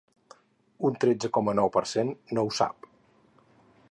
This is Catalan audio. Un tretze coma nou per cent no ho sap.